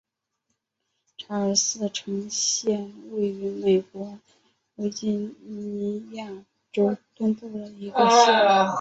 查尔斯城县位美国维吉尼亚州东部的一个县。